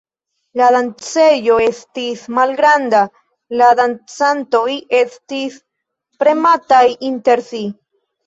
La dancejo estis malgranda, la dancantoj estis premataj inter si.